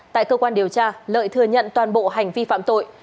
tại cơ quan điều tra lợi thừa nhận toàn bộ hành vi phạm tội